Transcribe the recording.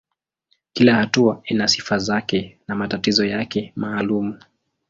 Kila hatua ina sifa zake na matatizo yake maalumu.